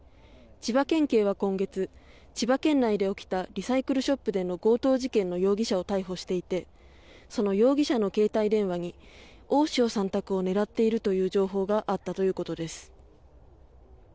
千葉県警は今月千葉県内で起きたリサイクルショップでの強盗事件の容疑者を逮捕していてその容疑者の携帯電話に大塩さん宅を狙っているという情報があったということです。